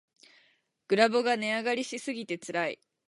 グラボが値上がりしすぎてつらい